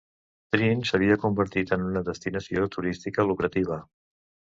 Treen s'havia convertit en una destinació turística lucrativa.